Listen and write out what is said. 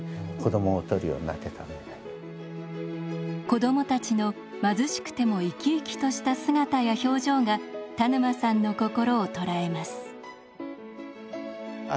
子どもたちの貧しくても生き生きとした姿や表情が田沼さんの心を捉えます。